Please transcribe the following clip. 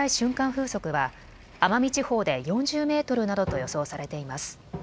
風速は奄美地方で４０メートルなどと予想されています。